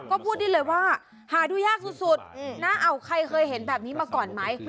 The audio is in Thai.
ก็พูดได้เลยว่าหาดูยากสุดนะใครเคยเห็นแบบนี้มาก่อนไหม